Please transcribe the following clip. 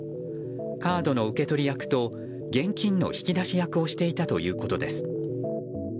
カードの受け取り役と現金の引き出し役をしていたということです。